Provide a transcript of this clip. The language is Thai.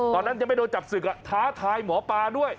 ตอนนั้นยังไม่โดนจับศึกท้าทายหมอปลาด้วย